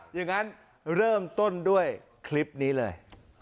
อย่างนั้นเริ่มต้นด้วยคลิปนี้เลย